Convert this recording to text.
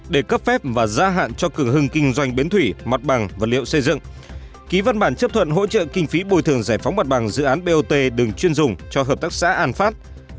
để cấp phép và gia hạn cho cử hưng kinh doanh bến thủy mặt bằng vật liệu xây dựng ký văn bản chấp thuận hỗ trợ kinh phí bồi thường giải phóng mặt bằng dự án bot đường chuyên dùng cho hợp tác xã an phát